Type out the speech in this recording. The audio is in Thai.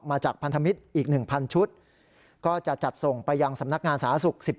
พันธมิตรอีก๑๐๐ชุดก็จะจัดส่งไปยังสำนักงานสาธารณสุข๑๔